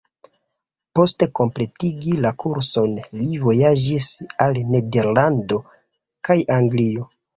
Post kompletigi la kurson, li vojaĝis al Nederlando kaj Anglio.